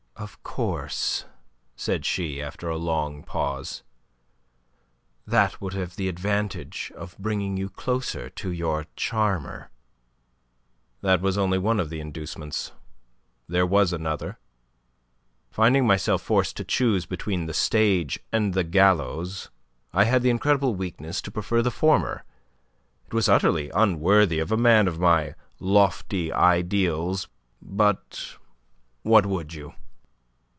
"Of course," said she, after a long pause, "that would have the advantage of bringing you closer to your charmer." "That was only one of the inducements. There was another. Finding myself forced to choose between the stage and the gallows, I had the incredible weakness to prefer the former. It was utterly unworthy of a man of my lofty ideals, but what would you?